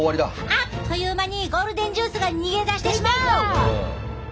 あっという間にゴールデンジュースが逃げ出してしまう！